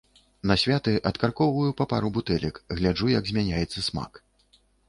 На святы адкаркоўваю па пару бутэлек, гляджу, як змяняецца смак.